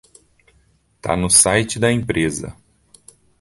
Tá no site da empresa